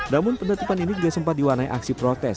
namun penutupan ini juga sempat diwarnai aksi protes